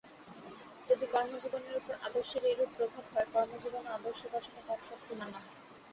যদি কর্মজীবনের উপর আদর্শের এইরূপ প্রভাব হয়, কর্মজীবনও আদর্শ গঠনে কম শক্তিমান নহে।